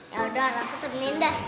yaudah raffa temenin deh